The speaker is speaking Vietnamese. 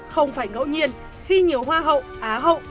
không phải ngẫu nhiên khi nhiều hoa hậu á hậu